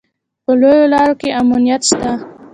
په لویو لارو کې امنیت شته